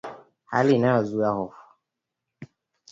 hali inayozua hofu